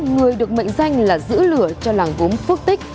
người được mệnh danh là giữ lửa cho làng gốm phước tích